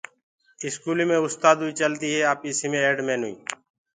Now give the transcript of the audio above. اسڪوليٚ مي استآدوئي چلديٚ هي آپيسيٚ مي ايڊ مينوئيٚ